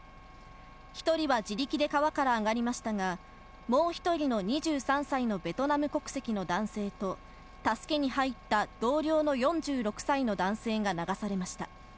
１人は自力で川から上がりましたが、もう１人の２３歳のベトナム国籍の男性と助けに入った同僚の４６歳の男性が流されました。